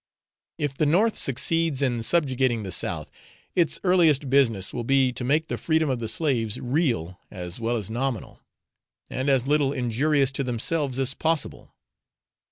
If the North succeeds in subjugating the South, its earliest business will be to make the freedom of the slaves real as well as nominal, and as little injurious to themselves as possible.